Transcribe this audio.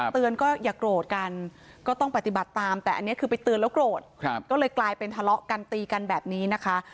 เตือนก็อย่าโกรธกันก็ต้องปฏิบัติตามแต่อันนี้คือไปเตือนแล้วโกรธก็เลยกลายเป็นทะเลาะกันตีกันแบบนี้นะคะ